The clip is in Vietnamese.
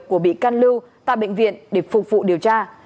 của bị can lưu tại bệnh viện để phục vụ điều tra